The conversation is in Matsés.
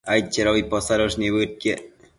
aidchedobi posadosh nibëdquiec